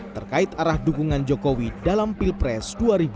terkait arah dukungan jokowi dalam pilpres dua ribu dua puluh